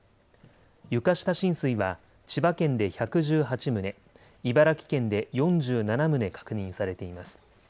床下浸水は千葉県で１１８棟、茨城県で４７棟確認されています。